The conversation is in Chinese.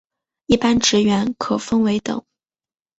一般职员可分为等。